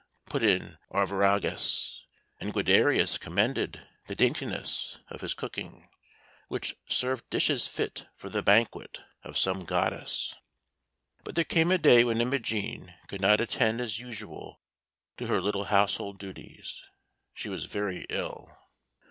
put in Arviragus; and Guiderius commended the daintiness of his cooking, which served dishes fit for the banquet of some goddess. [Illustration: "Thou thy worldly task hast done."] But there came a day when Imogen could not attend as usual to her little household duties; she was very ill.